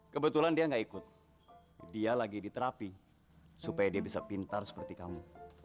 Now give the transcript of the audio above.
kebetulan dia gak ikut dia lagi di terapi supaya dia bisa pintar seperti kamu